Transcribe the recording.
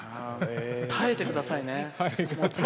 耐えてくださいね。